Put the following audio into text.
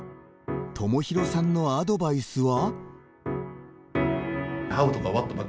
友廣さんのアドバイスは。